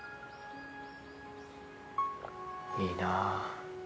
いいなぁ。